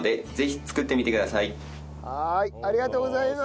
ありがとうございます！